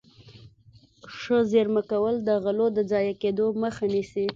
ښه زيرمه کول د غلو د ضايع کېدو مخه نيسي.